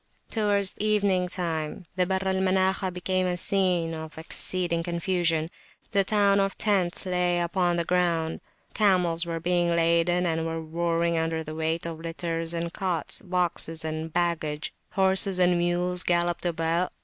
Towards evening time the Barr al Manakhah became a scene of exceeding confusion. The town of tents lay upon the ground. Camels were being laden, and were roaring under the weight of litters and cots, boxes and baggage. Horses and mules galloped about.